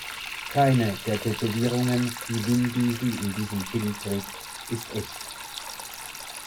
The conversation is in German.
Keine der Tätowierungen, die Vin Diesel in diesem Film trägt, ist echt.